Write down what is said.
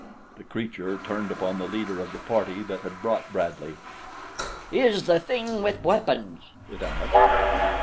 The creature turned upon the leader of the party that had brought Bradley. "Is the thing with weapons?" it asked.